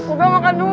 udah makan dulu